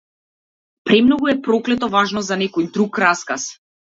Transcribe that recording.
Премногу е проклето важно за некој друг расказ.